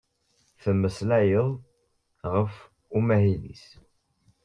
Temmeslay-d ɣef umahil-is.